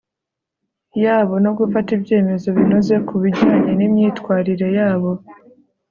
yabo no gufata ibyemezo binoze ku bijyanye n imyitwarire yabo